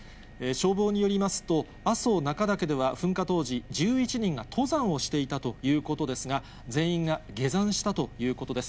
消防によりますと、阿蘇中岳では当時、１１人が登山をしていたということですが、全員が下山したということです。